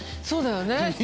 そうだよね。